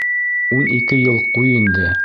Ун ике йыл, ҡуй инде.